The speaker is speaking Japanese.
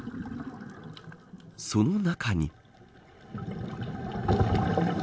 その中に。